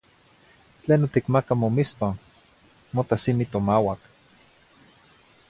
Tleno ticmaca momiston, mota simi tomauac.